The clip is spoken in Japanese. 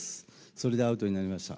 それでアウトになりました。